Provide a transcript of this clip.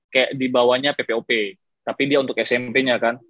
kayak dibawanya ppop tapi dia untuk smp nya kan